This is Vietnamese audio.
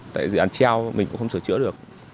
tại dự án treo mình cũng không sửa chữa được